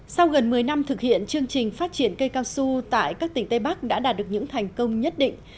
sau gần một mươi năm thực hiện chương trình phát triển cây cao su tại các tỉnh tây bắc đã đạt được những thành công nhất định